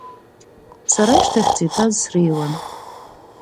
Сара ашьҭахьӡа итәаз среиуан.